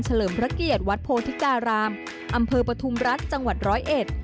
เลิมพระเกียรติวัดโพธิการามอำเภอปฐุมรัฐจังหวัดร้อยเอ็ด